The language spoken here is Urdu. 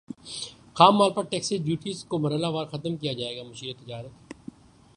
خام مال پر ٹیکسز ڈیوٹیز کو مرحلہ وار ختم کیا جائے گا مشیر تجارت